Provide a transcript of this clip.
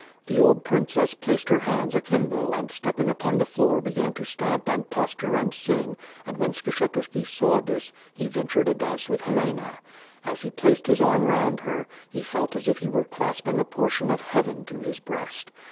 The old pijlncess placed her hands akimbo and stepping upon the floor began to stamp and posture and sing and when Skshetusky saw this, he ventured a dance with Helena. As he placed his arm round her, he felt as if he was clasping a portion of Heaven to his breast.